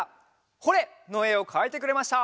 「ホ・レッ！」のえをかいてくれました。